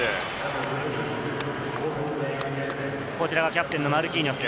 キャプテンのマルキーニョス。